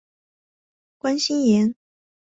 关心妍